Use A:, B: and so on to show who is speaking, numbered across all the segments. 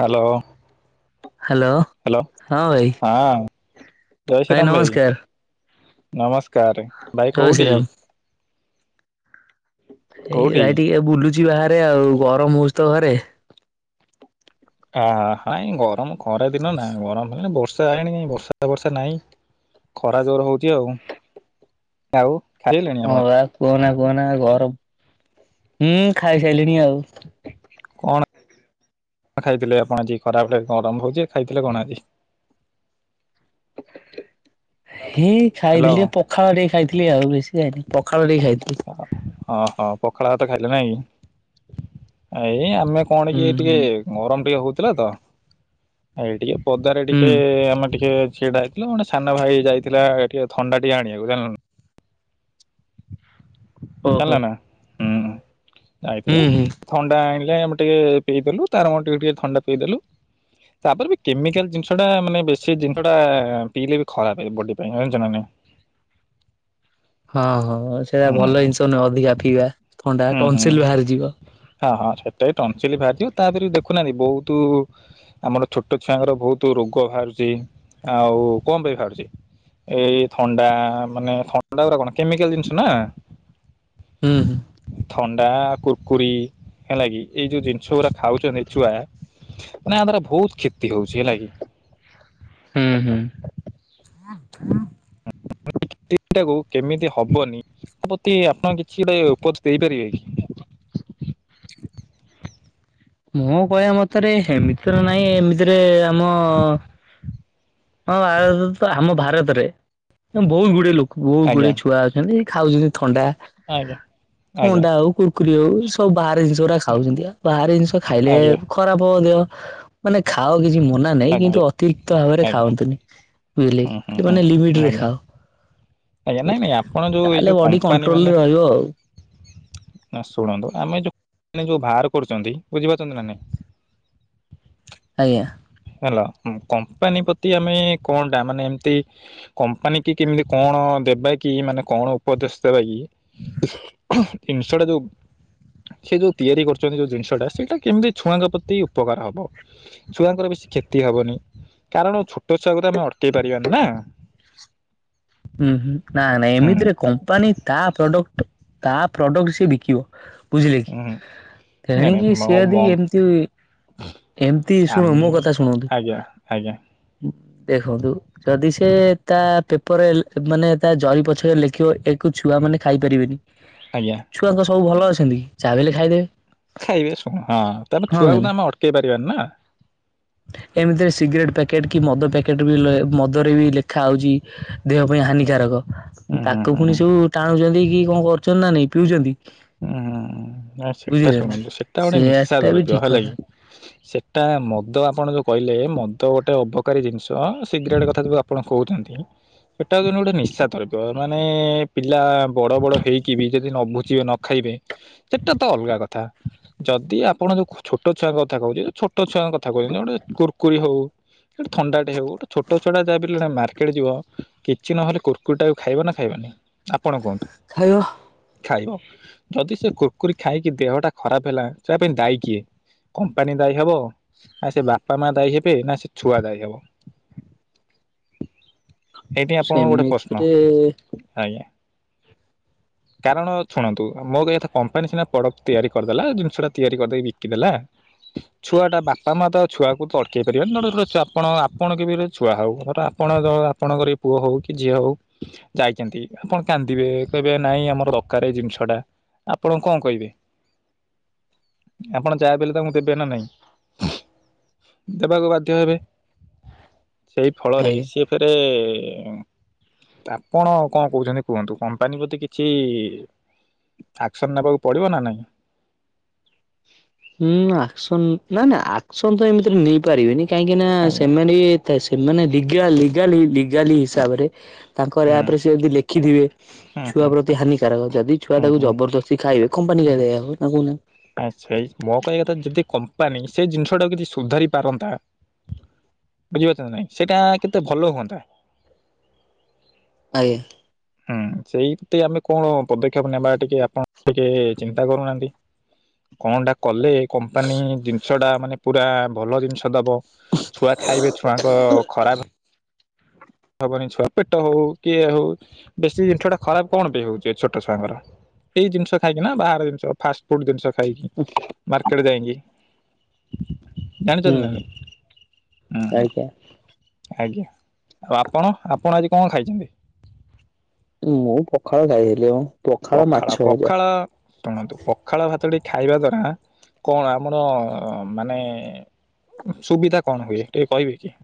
A: Hello.
B: Hello ହଁ ଭାଇ।
A: ହଁ ଜୟ
B: ଭାଇ
A: ଶ୍ରୀରାମ
B: ନମସ୍କାର।
A: ନମସ୍କାର ଭାଇ
B: ଜୟ
A: କୋଉଠି?
B: ଶ୍ରୀରାମ। ଏଇ
A: କୋଉଠି
B: ଭାଇ ଟିକେ ବୁଲୁଛି ବାହାରେ ଆଉ ଗରମ ହଉଛି ତ ଘରେ।
A: ଆହାଃ ଗରମ ଖରା ଦିନ ନା ଗରମ ହେଲେ ବର୍ଷ ବର୍ଷା ଆଇଲାଣି କାଁ ବର୍ଷା ବର୍ଷା ନାହିଁ, ଖରା ଜୋର ହଉଛି ଆଉ ଆଉ। ଖାଇଲେଣି
B: ହଁ
A: ଆପଣ
B: ବା କୁହନା କୁହନା ଘର ହୁଁ ଖାଇସାରିଲିଣି ଆଉ।
A: କଣ ଖାଇଥିଲେ ଆପଣ ଆଜି ଖରାବେଳେ ଗରମ ହଉଛି ଖାଇଥିଲେ କଣ ଆଜି?
B: ହି ଖାଇଥିଲି ପଖାଳ ଟିକେ ଖାଇଥିଲି ଆଉ ବେଶୀ ଖାଇନି ପଖାଳ ଟିକେ ଖାଇଥିଲି।
A: ହଁ ହଁ ପଖାଳ ଭାତ ଖାଇଲେ ନାଇଁକି? ଏଇ ଆମେ କଣ
B: ହୁଁ
A: କି ଟିକେ
B: ହୁଁ
A: ଗରମ ଟିକେ ହଉ। ଥିଲା ତ ଏ ଟିକେ ପଦାରେ
B: ହୁଁ
A: ଟିକେ ଆମେ ଟିକେ ସେଇଟା ହେଇଥିଲା ମାନେ ସାନ ଭାଇ ଯାଇଥିଲା ଏ ଟିକେ ଥଣ୍ଡା ଟିକେ ଆଣିବାକୁ ଜାଣିଲନା।
B: ଓହୋ
A: ହେଲା ନା ହୁଁ
B: ହୁଁ
A: ଯାଇଥିଲ
B: ହୁଁ।
A: ଥଣ୍ଡା ଆଣି ଆମେ ଟିକେ ପେଇଦଲୁ ତାର ଆମର ଟିକେ ଟିକେ ପିଇଦେଲୁ। ତାପରେ ବି କେମିକାଲ ଜିନିଷ ଟା ମାନେ ବେଶୀ ଜିନିଷଟା ପିଇଲେ ବି ଖରାପହେ ବଡି ପାଇଁ ଯାଂଚ ନା ନାହିଁ?
B: ହଁ ହଁ ସେୟା
A: ହୁଁ
B: ଭଲ ଜିନିଷ ନୁହଁ ଅଧିକା ପିଇବା। ଥଣ୍ଡା
A: ହୁଁ ହୁଁ
B: ଟନସିଲ ବାହାରିଯିବ।
A: ହଁ ହଁ ସେଟା ବି ଟନସିଲ ବାହାରିଯିବ ତାପରେ ବି ଦେଖୁନାହାନ୍ତି ବହୁତ ଆମର ଛୋଟ ଛୁଆଙ୍କର ବହୁତ ରୋଗ ବାହାରୁଛି। ଆଉ କଣ ପାଇଁ ଭାରୁଚି? ଏଇ ଥଣ୍ଡା ମାନେ ଥଣ୍ଡା ଗୁଡାକ କେମିକାଲ ଜିନିଷ ନା?
B: ହୁଁ।
A: ଥଣ୍ଡା କୁରକୁରି ହେଲା କିି ଏଇ ଯଉ ଜିନିଷ ଗୁଡା ଖାଉଛନ୍ତି ଛୁଆ। ନା ୟା ଦ୍ୱାରା ବହୁତ କ୍ଷତି ହଉଛି ହେଲା କିି?
B: ହୁଁ ହୁଁ।
A: ଟାକୁ କେମିତି ହବନି? ତା ପ୍ରତି ଆପଣ କିଛି ଗୋଟେ ଅପୋଜ ଦେଇପାରିବେ କି?
B: ମୁଁ କହିବା ମତରେ ହେମିତି ନାଇ ଏମିତିରେ ଆମ ହଁ ଆ ତ ଆମ ଭାରତରେ ବହୁତ ଗୁଡିଏ ଲୋକ ବହୁତ
A: ଆଜ୍ଞା
B: ଗୁଡ଼ିଏ ଛୁଆ ଅଛନ୍ତି ଖାଉଛନ୍ତି ଥଣ୍ଡା।
A: ଆଜ୍ଞା ଆଜ୍ଞା।
B: କୁରକୁରି ହୋଉ ସବୁ ବାହାର ଜିନିଷ ଗୁରା ଖାଉଛନ୍ତି ବାହାର ଜିନିଷ ଖାଇଲେ
A: ଆଜ୍ଞା
B: ଖରାପ ହ ଦେ ମାନେ ଖାଅ କିଛି ମନା ନାହିଁ
A: ଆଜ୍ଞା
B: କିନ୍ତୁ ଅତିରିକ୍ତ ଭାବରେ
A: ଆଜ୍ଞା
B: ଖାଆନ୍ତୁନି। ବୁଝିଲେ
A: ହୁଁ ହୁଁ
B: କି
A: ହୁଁ।
B: ମାନେ ଲିମିଟରେ
A: ଆଜ୍ଞା
B: ଖାଅ।
A: ଆଜ୍ଞା ନାଇଁ
B: ବୁଝିଲେ
A: ନାଇଁ ଆପଣ ଯୋଉ ଏଇ
B: ତାହେଲେ
A: ଯୋଉ
B: ବଡି
A: କମ୍ପାନୀ
B: କଣ୍ଟ୍ରୋଲ ରେ
A: ମାନେ
B: ରହିବ ଆଉ
A: ନା ଶୁଣନ୍ତୁ ଆମେ ଯୋଉ ଯୋଉ ବାହାର କରୁଛନ୍ତି ବୁଝିପାରୁଛନ୍ତି ନା ନାଇଁ?
B: ଆଜ୍ଞା।
A: ହେଲା କମ୍ପାନୀ ପ୍ରତି ଆମେ କଣ ଟା ମାନେ ଏମତି କମ୍ପାନୀ କି କେମିତି କଣ? ଦେବା କି ମାନେ କଣ ଉପଦେଶ ଦେବା କି ଜିନିଷ ଟା ଯୋଉ ସେ ଯୋଉ ତିଆରି କରୁଛନ୍ତି ଯୋଉ ଜିନିଷ ଟା ସେଇଟା କେମିତି ଛୁଆଙ୍କ ପ୍ରତି ଉପକାର ହବ ଛୁଆଙ୍କର ବି କ୍ଷତି ହବନି କାରଣ ଛୋଟ ଛୁଆକୁ ତ ଆମେ ଅଟକେଇ ପାରିବାନି ନା
B: ହୁଁ ହୁଁ ନା ନା
A: ହୁଁ
B: ଏମିତିରେ କମ୍ପାନୀ ତା ପ୍ରଡକ୍ଟ ତା ପ୍ରଡକ୍ଟ ସିଏ ବିକିବ ବୁଝିଲେ କି?
A: ହୁଁ ନାଇଁ ନାଇଁ
B: ତେଣିକି ସିଏ
A: ମୋ ମ
B: ଅଦି ଏମତି ଏମତି ଶୁଣ
A: ଆମ
B: ମୋ କଥା ଶୁଣନ୍ତୁ
A: ଆଜ୍ଞା ଆଜ୍ଞା
B: ଉଁ ଦେଖନ୍ତୁ ଯଦି ସେ ତା ପେପର ଏଲ୍ ଥେ ମାନେ ତା ଜରି ପଛରେ ଲେଖିବ ଏକୁ ଛୁଆମାନେ ଖାଇ ପାରିବେନି
A: ଆଜ୍ଞା।
B: ସଉ ଭଲ ଅଛନ୍ତି କି? ଯାହା ବି ହେଲେ ଖାଇଦେବେ।
A: ଖାଇବେ ଶୁଣ ହଁ ତାପରେ ଛୁଆକୁ ତ ଆମେ ଅଟକେଇ ପାରିବାନି ନାଁ।
B: ଏମତିରେ ସିଗରେଟ ପାକେଟ୍ କି ମଦ ପ୍ୟାକେଟ୍ ବି ଲ ମଦରେ ବି ଲେଖାହଉଚି ଦେହ ପାଇଁ ହାନିକାରକ
A: ହୁଁ ହୁଁ
B: ତାକୁ
A: ହୁଁ
B: ପୁଣି
A: ହୁଁ
B: ସବୁ ଟାଣୁଚନ୍ତି ଟଳକି କଣ କରୁଚନ୍ତି ନାଁ ନାଇଁ? ପିଉଚନ୍ତି।
A: ଉଁ ହୁଁ ଆ ସେଟା
B: ନା।
A: ଶୁଣନ୍ତୁ ସେଟା ଗୋଟେ ନିଶା
B: ସେୟାଟା ବି
A: ଦରବ୍ୟ
B: ଠିକ
A: ହେଲା
B: କଥା
A: କିି‌। ସେଟା ମଦ ଆପଣ ଯୋଉ କହିଲେ ମଦ ଗୋଟେ ଅବକାରୀ ଜିନିଷ। ତ ସିଗରେଟ୍ କଥା ଯୋଉ ଆପଣ କୋହୁଚନ୍ତି ସେଟା ଯେନ୍ ଗୋଟେ ନିଶା ଦ୍ରବ୍ୟ ମାନେ ପି ଲା ବଡ଼ ବଡ଼ ହେଇକି ବି ଯଦି ନବୁଝିବେ ନ ଖାଇବେ ସେଟା ତ ଅଲଗା କଥା। ଯଦି ଆପଣ ଯୋଉ ଖୋ ଛୋଟ କଥା କହୁଚ ଯେ ଛୋଟ ଛୁଆଙ୍କ କଥା କୋହୁଚନ୍ତି ଗୋଟେ କୁର୍କୁରି ହଉ ଗୋଟେ ଥଣ୍ଡାଟେ ହଉ ତ ଛୋଟ ଛୁଆଟ ଯାହା ବି ହେଲେ ସା ମାର୍କେଟ ଯିବ କିଛି ନହେଲେ କୁର୍କୁରିଟାକୁ ଖାଇବ ନାଁ ଖାଇବ ନି ଆପଣ କୁହନ୍ତୁ।
B: ଖାଇଅ।
A: ଖାଇବ ଯଦି ସେ କୁର୍କୁରି ଖାଇକି ଦେହଟା ଖରାପ ହେଲା ସେଆ ପାଇଁ ଦାୟୀ କିଏ? କମ୍ପାନୀ ଦାୟୀ ହବ ନାଁ ସେ ବାପା ମା ଦାୟୀ ହେବେ ନାଁ ସେ ଛୁଆ ଦାୟୀ ହବ? ଏଇଠି ଆପଣଙ୍କୁ ଗୋଟେ ପ୍ରଶ୍ନ
B: ସେମିତିରେ
A: ଆଜ୍ଞା। କାରଣ ଛୁଣନ୍ତୁ ମୋ କହିବା କଥା କମ୍ପାନୀ ସିନା ପ୍ରଡକ୍ଟ ତିଆରି କରିଦେଲା ଦୁଇଟା ଛଅଟା ତିଆରି କରିଦେଇକି ବିକିଦେଲା। ଛୁଆଟା ବାପା ମା ତ ଛୁଆକୁ କିଏ ଅଟକେଇ ପାରିବେନି [unintelligible] ତ ଆପଣ ଆ ଆପଣ କେବେର ଛୁଆ ହଉ ଗୋଟେ ଜ ଆପଣ ଆପଣଙ୍କର ବି ପୁଅ ହଉ କି ଝିଅ ହଉ ଯାଇଚନ୍ତି ଆପଣ କ୍ୟା ନ୍ଦିବେ କହିବେ ନାଇଁ ଆମର ଦକାରେ ଏଇ ଜିନିଷଟା ଆପଣ କଣ କହିବେ? ଆପଣ ଯାହା ବି ହେଲେ ତାଙ୍କୁ ଦେବେ ନାଁ ନାଇଁ? ଦେବାକୁ ବାଧ୍ୟ ହେବେ ସେଇ ଫଳରେ
B: ଆଜ୍ଞା।
A: ସିଏ ଫେରେ ଏ ଆପଣ କଁ କୋହୁଛନ୍ତି କୁହନ୍ତୁ କମ୍ପାନୀ ପତି କି ଚି ଆକ୍ସନ୍ ନବାକୁ ପଡ଼ିବ ନାଁ ନାଇଁ?
B: ହୁଁ ଆକ୍ସନ୍ ନାଁ ନାଁ ଆକ୍ସନ୍ ତ ଏମତିରେ ନେଇ ପାରିବେନି କାହିଁକି ନାଁ
A: ଆଜ୍ଞା
B: ସେମାନେ ଇ ଏତେ ସେମାନେ ଲିଗା ଲିଗାଲି ଲିଗାଲି ହିସାବରେ ତାଙ୍କରି
A: ହୁଁ
B: ଆପରେ ସିଏ ଯଦି ଲେଖିଥିବେ
A: ହୁଁ
B: ଛୁଆ
A: ହୁଁ
B: ପ୍ରତି ହାନିକାରକ ଯଦି ଛୁଆ
A: ହୁଁ
B: ତାକୁ
A: ହୁଁ
B: ଜବରଦସ୍ତି ଖାଇବେ କମ୍ପାନୀ କାଇଁ
A: ହୁଁ।
B: ଦାୟୀ ହବ ନାଁ
A: ତ ଯଦି କମ୍ପାନୀ ସେ ଜିନିଷଟାକୁ କିଛି ସୁଧାରି ପାରନ୍ତା ବୁଝିପାରୁଚ ନାଁ ନାଇଁ ସେଟା କେତେ ଭଲ ହୁଅନ୍ତା
B: ଆଜ୍ଞା।
A: ହୁଁ ସେଇଠି ତେ ଆମେ କଣ ପଦକ୍ଷେପ ନେବା ଟିକେ ଆପଣ ଟିକେ ଚିନ୍ତା କରୁନାହାନ୍ତି । କଣଟା କଲେ କମ୍ପାନୀ ଜିନିଷଟା ମାନେ ପୁରା ଭଲ ଜିନିଷ ଦବ । ଛୁଆ ଖାଇବେ ଛୁଆଙ୍କ ଖରାବ ହବନି ଛୁଆ ପେଟ ହଉ କି ଇଏ ହଉ ବେଶୀ ଜିନିଷଟା ଖରାପ କଣ ପାଇଁ ହଉଚି ଛୋଟ ଛୁଆଙ୍କର ଏଇ ଜିନିଷ ଖାଇକିନା ବାହାର ଜିନିଷ ଫାଷ୍ଟ୍ ଫୁଡ଼୍ ଜିନିଷ ଖାଇକି ମାର୍କେଟ ଯାଇଁକି ।
B: ହୁଁ
A: ଜାଣିଚଚନ୍ତି ନାଁ
B: ହୁଁ
A: ଉଁ।
B: ଆଜ୍ଞା
A: ଆଜ୍ଞା ଆଉ ଆପଣ ଆପଣ ଆଜି କଁ ଖାଇଚନ୍ତି?
B: ମୁଁ ପଖାଳ ଖାଇଥିଲି ମ। ପଖାଳ ମାଛ ହଜା ।
A: ଶୁଣନ୍ତୁ ପଖାଳ ଭାତଟି ଖାଇବା ଦ୍ଵାରା କଣ ଆମର ମାନେ ସୁବିଧା କଣ ହୁଏ ଟିକେ କହିବେ କି?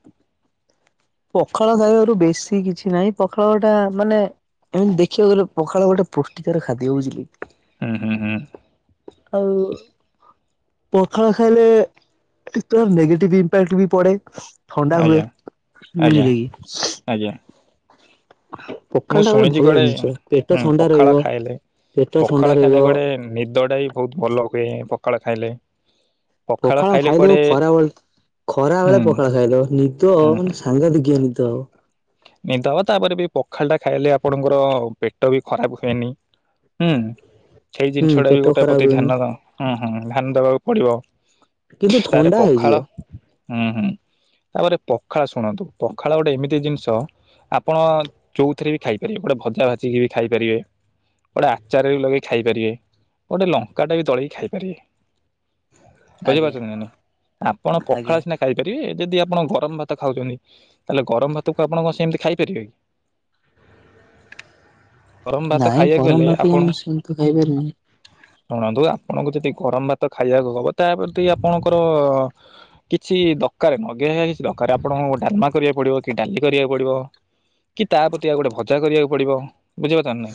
B: ପଖାଳ ଖାଇବାରୁ ବେଶୀ କିଛି ନାହିଁ ପଖାଳଟା ମାନେ ଏନ୍ ଦେଖିବାକୁ ଗଲେ ପଖାଳ ଗୋଟେ ପୁଷ୍ଟିକର ଖାଦ୍ୟ ବୁଝିଲେ?
A: ଉଁ ହୁଁ ହୁଁ।
B: ଆଉ ପଖାଳ ଖାଇଲେ କେତେକ ନଗେଟି ଇମ୍ପାକ୍ଟ୍ ବି ପଡ଼େ । ଥଣ୍ଡା ହୁଏ
A: ଆଜ୍ଞା ଆଜ୍ଞା
B: ବୁଝିଲେ କି ।
A: ଆଜ୍ଞା ମୁଁ ଶୁଣିଛି
B: ଭଲ ଜିନିଷ ପେଟ
A: କୁଆଡେ
B: ଥଣ୍ଡା ରହିବ
A: ପଖାଳ ଖାଇଲେ
B: ପେଟ ଥଣ୍ଡା
A: ପଖାଳ
B: ରହିବ
A: ଖାଇଲେ ଗୋଟେ ନିଦ ଟା ବି ବହୁତ ଭଲ ହୁଏ ପଖାଳ ଖାଇଲେ ।
B: ପଖାଳ ଖାଇଦବ ଖରାବେଳେ ଖରା
A: ହୁଁ
B: ବେଳେ ପଖଳା ଖାଇଦବ ନିଦ ହ
A: ହୁଁ
B: ମାନେ ସାଂଘାଦିକ ନିଦ ହବ ।
A: ନିଦ ହବ ତାପରେ ବି ପଖାଳ ଟା ଖାଇଲେ ଆପଣଙ୍କର ପେଟ ବି ଖରାପ ହୁଏନି । ହୁଁ ସେଇ
B: ହୁଁ
A: ଜିନିଷ ଟା
B: ପେଟ
A: ବି ଗୋଟେ
B: ଖରାପ
A: ପ୍ରତି
B: ରୁହେନି
A: ଧ୍ୟାନ ହୁଁ ହୁଁ ଧ୍ୟାନ ଦବାକୁ ପଡିବ ।
B: କିନ୍ତୁ
A: ତାର
B: ଥଣ୍ଡା ହେଇଯିବ।
A: ପଖାଳ ହୁଁ ହୁଁ । ତାପରେ ପଖାଳ ଶୁଣନ୍ତୁ ପଖାଳ ଗୋଟେ ଏମିତି ଜିନିଷ ଆପଣ ଚଉଥିରେ ବି ଖାଇପାରିବେ ବଡେ ଭଜା ଭାଜିିକି ବି ଖାଇପାରିବେ । ଗୋଟେ ଆଚାର ବି ଲଗେଇ ଖାଇ ପାରିବେ ଗୋଟେ ଲଙ୍କା ଟା ବି ଦଳିକି ଖାଇପାରିବେ ।
B: ଆଜ୍ଞା
A: ବୁଝିପାରୁଛନ୍ତି ନାଇ ନାଇଁ ଆପଣ
B: ଆଜ୍ଞା।
A: ପଖାଳ ସିନା ଖାଇପାରିବେ ଯଦି ଆପଣ ଗରମ ଭାତ ଖାଉଛନ୍ତି ତାହେଲେ ଗରମ ଭାତକୁ ଆପଣ କ ସେମିତି ଖାଇପାରିବେ କି? ଗରମ ଭାତ
B: ନାଇଁ
A: ଖାଇବାକୁ
B: ଗରମ
A: ହେଲେ
B: ଭାତ ଆମେ
A: ଆପଣକୁ
B: ସେମିତି ଖାଇପାରିବୁନି
A: ଶୁଣନ୍ତୁ ଆପଣଙ୍କୁ ଯଦି ଗରମ ଭାତ ଖାଇବାକୁ ହବ ତାପଦି ଆପଣଙ୍କର କିଛି ଦରକାର ନଗେଇ କିଛି ଦରକାର ଆପଣଙ୍କୁ ଡାଲମା କରିବାକୁ ପଡିବ କି ଡାଲି କରିବା ପଡିବ କି ତାପ୍ରତି ଆଉ ଗୋଟେ ଭଜା କରିବାକୁ ପଡିବ । ବୁଝିପାରୁଛନାଇଁ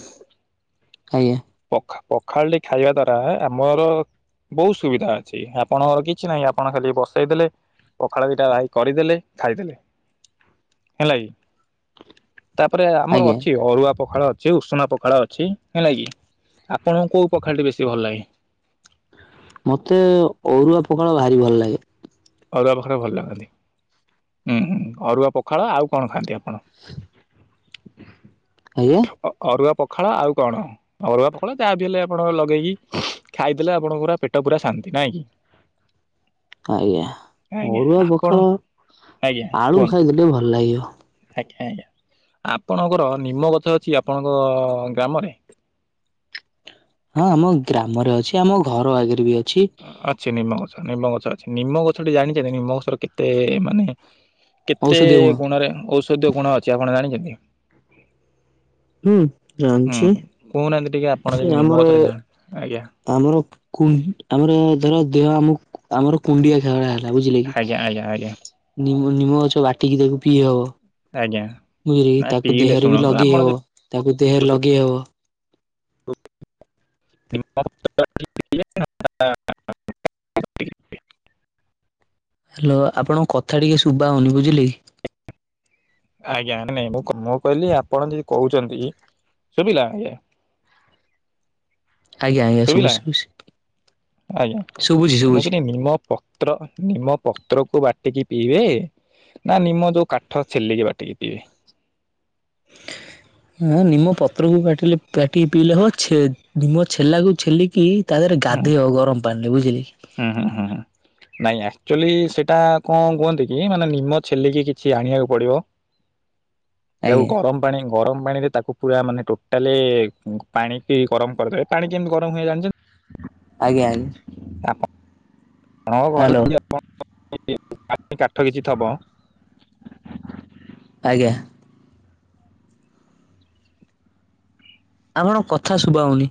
B: ଆଜ୍ଞା
A: ପଖା ପଖାଳଟି ଖାଇବା ଦ୍ଵାରା ଆମର । ବହୁତ ସୁବିଧା ଅଛି ଆପଣଙ୍କର କିଛି ନାହିଁ ଆପଣ ଖାଲି ବସେଇ ଦେଲେ ପଖାଳ ଦିଟା ରାହି କରିଦେଲେ ଖାଇଦେଲେ । ହେଲା କିି ତାପରେ ଆମର
B: ଆଜ୍ଞା
A: ଅଛି ଅରୁଆ ପଖାଳ ଅଛି ଉଷୁନା ପଖାଳ ଅଛି ହେଁଲାକିି ଆପଣଙ୍କୁ କୋଉ ପଖାଳଟି ବେଶୀ ଭଲ ଲାଗେ?
B: ମତେ ଅରୁଆ ପଖାଳ ଭାରି ଭଲ ଲାଗେ ।
A: ଅରୁଆ ପଖାଳ ଭଲ ଲାଗନ୍ତି ହୁଁଁ ଅରୁଆ ପଖାଳ ଆଉ କଣ ଖାଆନ୍ତି ଆପଣ?
B: ଆଜ୍ଞା
A: ଅରୁଆ ପ ଖଳା ଆଉ କଣ ଅରୁଆ ପଖାଳ ଯାହା ବିି ହେଲେ ଆପଣ ଲଗେଇକି ଖାଇଦେଲେ ଆପଣଙ୍କର ପେଟ ପୁରା ଶାନ୍ତି । ନାଇଁ କି?
B: ଆଜ୍ଞା
A: ଆଜ୍ଞା
B: ଅରୁଆ
A: ଆପଣ
B: ପଖାଳ ।
A: ଆଜ୍ଞା
B: ଆଳୁ
A: କୁହନ୍ତୁ
B: ଖାଇଦେଲି ଭଲ ଲାଗିବ ।
A: ଆଜ୍ଞା ଆଜ୍ଞା ଆପଣଙ୍କର ନିମ ଗଛ ଚି ଆପଣଙ୍କ ଗ୍ରାମରେ?
B: ହଁ ଆମ ଗ୍ରାମରେ ଅଛି ଆମ ଘର ଆଗରେ ବି ଅ
A: ଅଛି ନିମ୍ମ ଗଛ ନିମ୍ମ ଗଛ ଅଛି ।ନିମ୍ମ ଗଛଟି ଜାଣିଛେ ନିମ୍ମଗଛର କେତେ ମାନେ କେତେ
B: ଔଷଧୀୟ ଗୁଣ
A: ଗୁଣରେ ଔଷଧୀୟ ଗୁଣ ଅଛି ଆପଣ ଜାଣିଛନ୍ତି?
B: ହୁଁ
A: ହୁଁ
B: ଜାଣିଛି।
A: କହୁନାହାନ୍ତି ଟିକେ ଆପଣ ଯଦି ନିମ
B: ଆମର
A: ଗଛରେ ଜାଣ ଆଜ୍ଞା
B: ଆମର କୁ ଆମର ଧର ଦେହ ଆମକୁ ଆମର କୁଣ୍ଡିଆ ଘାଉଡ଼ା ହେଲା ବୁଝିଲେ କି
A: ଆଜ୍ଞା ଆଜ୍ଞା ଆଜ୍ଞା।
B: ନିମ୍ମ ନିମ୍ମ ଗଛ ବାଟିକି ଦେବୁ ପିିଈହବ।
A: ଆଜ୍ଞା ନାଇ ପିଇଲେ
B: ବି
A: ଶୁଣନ୍ତୁ
B: ଲଗେଇ
A: ଆପଣ
B: ହବ ତାକୁ ଦେହରେ ଲଗେଇ ହବ
A: [unintelligible] [unintelligible] [unintelligible]
B: ହ୍ୟାଲୋ ଆପଣଙ୍କ କଥା ଟିକେ ଶୁଭା ହଉନି ବୁଝିଲେ କି?
A: ଆଜ୍ଞା ନାଇଁ ମୁଁ ମୁଁ କହିଲି ଆପଣ ଯଦି କହୁଛନ୍ତି ଶୁଭିଲା ଆଜ୍ଞା।
B: [unintelligible] ଆଜ୍ଞା ଆଜ୍ଞା
A: ଶୁଭିଲା
B: ଶୁୁଭୁଛି ଶୁଭୁଛି।
A: ଆଜ୍ଞା
B: ଶୁଭୁଛି
A: ମୁଁ
B: ଶୁଭୁଛି
A: କହିଲି ନିମ୍ମ ପତ୍ର ନିମ୍ମ ପତ୍ରକୁୁ ବାଟିକି ପିଇବେ ପ ନା ନିମ୍ମ ଯୋଉ କାଠ ଛେଲିକି ବାଟିକି ପିଇବେ।
B: [unintelligible] ହଁ ନିମ୍ମ ପତ୍ରକୁ ବାଟିଲେ ବାଟିକି ପିଇଲେ ହବ ଛେ ନିମ୍ମ ଛେଲାକୁ ଛେଲିକି ତା ଦେହରେ
A: ହୁଁ
B: ଗାଧେଇବେ ଆ ଗରମ ପାଣିରେ ବୁଝିଲେ କି
A: ହୁଁ ହୁଁ ହୁଁ ହୁଁ ନାଇଁ ଅକ୍ଚୁଲି ସେଇଟା କଣ କୁହନ୍ତି କି ନିମ ଛେଲିକି କିଛି ଆଣିବାକୁ ପଡ଼ିବ। ତାକୁ
B: ଆଜ୍ଞା
A: ଗରମ ପାଣି ଗରମ ପାଣିରେ ତାକୁ ପୁରା ମାନେ ଟୋଟାଲେ ପାଣିକି ଗରମ କରିଦେବେ ପାଣି କେମିତି ଗରମ ହୁଏ ଜାଣିଛନ୍ତି।
B: ଆଜ୍ଞା ଆଜ୍ଞା।
A: ଆପଣ ଆପଣଙ୍କ
B: ହ୍ୟାଲୋ
A: ଘରେ ଯଦି ଆପଣ [unintelligible] କାଠ କିଛି ଥବ
B: ଆଜ୍ଞା। ଆପଣଙ୍କ କଥା ଶୁଭାହୋଉନି।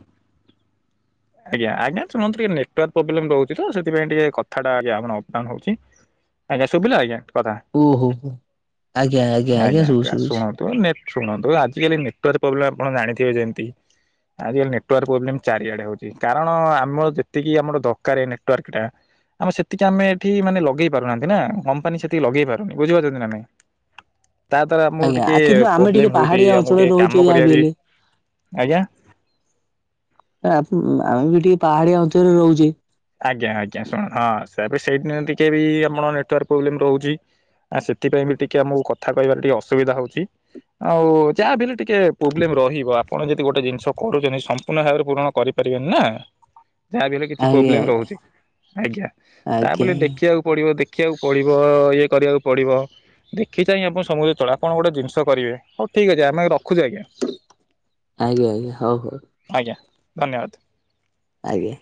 A: ଆଜ୍ଞା ଆଜ୍ଞା। ଶୁଣନ୍ତୁ ଟିକେ ନେଟୱର୍କ ପ୍ରୋବଲେମ୍ ରହୁଛି ତ ସେଥିପାଇଁ ଟିକେ କଥାଟା ଆଜ୍ଞା ଅବଡାଉନ୍ ହୋଉଛି। ଆଜ୍ଞା ଶୁଭିଲା ଆଜ୍ଞା କଥା।
B: ଓହୋ ଆଜ୍ଞା
A: ଆଜ୍ଞା
B: ଶୁଭୁଛି
A: ଆଜ୍ଞା
B: ଶୁଭୁଛି
A: ଶୁଣନ୍ତୁ ନେଟ ଶୁଣନ୍ତୁ ଆଜିକାଲି ନେଟୱର୍କ ପ୍ରୋବ୍ଲେମ ଆପଣ ଜାଣିଥିବେ ଯେମିତି। ଆଜିକାଲି ନେଟୱର୍କ ପ୍ରୋବ୍ଲେମ ଚାରିଆଡେ ହୋଉଛି। ଚି କାରଣ ଆମର ଯେତିକି ଆମର ଦରକାର ନେଟୱାର୍କ ଟା। ଆମେ ସେତିକି ଆମେ ଏଠି ମାନେ ଲଗେଇ ପାରୁନାହାନ୍ତି ନା କମ୍ପାନୀ ସେତିକି ଲଗେଇ ପାରୁନି ବୁଝି ପାରୁଛନ୍ତି ନା ନାଇଁ।
B: [inaudible]
A: ତା ଦ୍ଵାରା ଆମର
B: ଆଜ୍ଞା
A: ଟିକେ
B: ଆ କିନ୍ତୁ ଆମେ ଟିକେ
A: ପ୍ରୋବ୍ଲେମ ହୋଉଚି।
B: ପାହାଡିଆ
A: ଆମକୁ
B: ଅଞ୍ଚଳରେ
A: ଟିକେ
B: ରହୁଛେ
A: କାମ
B: ଯାହା
A: କରିବାରେ ବି ଆଜ୍ଞା।
B: ନାଇଁ ଅପ୍ ଆମେ ବି ଟିକେ ପାହାଡିଆ ଅଞ୍ଚଳରେ ରୋହୁଚି।
A: ଆଜ୍ଞା ଆଜ୍ଞା ଶୁଣ ହଁ ତାପରେ ବି ସେଥିଲାଗି ଟିକେ ବି ଆମର ନେଟୱର୍କ ପ୍ରୋବ୍ଲେମ ରୋହୁଛି। ଆ ସେଥିପାଇଁ ବି ଟିକେ ଆମକୁ କଥା କହିବାରେ ଟିକେ ଅସୁବିଧା ହୋଉଛି। ଆଉ ଯାହା ବି ହେଲେ ଟିକେ ପ୍ରୋବ୍ଲେମ ରହିବ। ଆପଣ ଯଦି ଗୋଟେ ଜିନିଷ କରୁଛନ୍ତି ସମ୍ପୂର୍ଣ୍ଣ ଭାବରେ ପୂରଣ କରି ପା ରିବେମି ନା ଯାହା ହେଲେ କିଛି ବି
B: ଆଜ୍ଞା ଆଜ୍ଞା
A: ପ୍ରୋବ୍ଲେମ ରହୁଛି। ଆଜ୍ଞା
B: ଆଜ୍ଞା
A: ତାପରେ ଦେଖିବାକୁ ପଡିବ ଦେଖ ଦେଖିବାକୁ ପଡିବ ଇଏ କରିବାକୁ ପଡିବ। ଦେଖି ଚାହିଁ ଆପଣ ସମସ୍ତଙ୍କୁ ଚଳା ଆପଣ ଗୋଟେ ଜିନିଷ କରିବେ ହୋଉ ଠିକ୍ ଅଛି ଆମେ ରଖୁଛି ଆଜ୍ଞା
B: ଆଜ୍ଞା ଆଜ୍ଞା ଆଜ୍ଞା ହଉ ହଉ
A: ଆଜ୍ଞା। ଧନ୍ୟବାଦ।
B: ଆଜ୍ଞ।